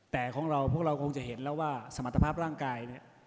แต่พวกเราคงจะเห็นแล้วว่าสมรรถภาพร่างกาย